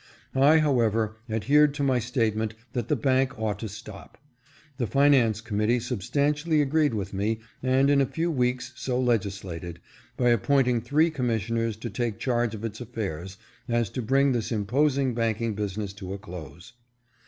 I, however, adhered to my statement that the bank ought to stop. The finance committee substantially agreed with me and in a few weeks so legislated, by appointing three commissioners to take charge of its affairs, as to bring this imposing banking business to a close.